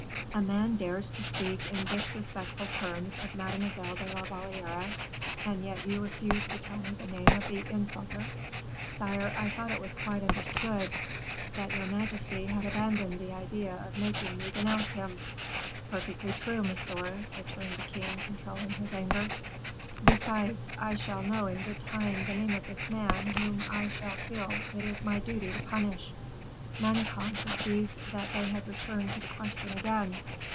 "A man dares to speak in disrespectful terms of Mademoiselle de la Valliere, and yet you refuse to tell me the name of the insulter?" "Sire, I thought it was quite understood that your majesty had abandoned the idea of making me denounce him." "Perfectly true, monsieur," returned the king, controlling his anger; "besides, I shall know in good time the name of this man whom I shall feel it my duty to punish." Manicamp perceived that they had returned to the question again.